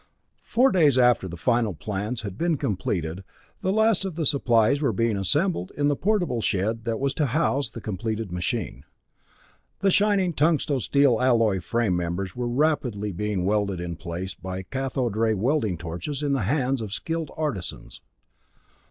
Four days after the final plans had been completed the last of the supplies were being assembled in the portable metal shed that was to house the completed machine. The shining tungsto steel alloy frame members were rapidly being welded in place by cathode ray welding torches in the hands of skilled artisans.